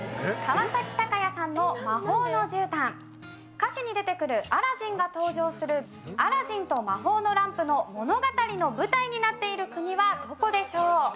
歌詞に出てくるアラジンが登場する『アラジンと魔法のランプ』の物語の舞台になっている国はどこでしょう？